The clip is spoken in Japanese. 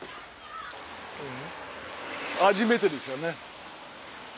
初めてですよね。